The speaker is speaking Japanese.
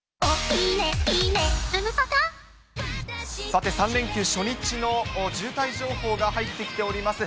さて、３連休初日の渋滞情報が入ってきております。